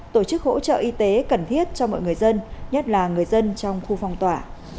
tổ chức hỗ trợ y tế cần thiết cho mọi người dân nhất là người dân trong khu phong tỏa